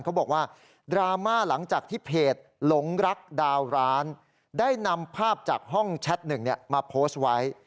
เขาบอกว่าดราม่าหลังจากที่เพจหลงรักดาวร้านได้นำภาพจากห้องแชทหนึ่งมาโพสต์ไว้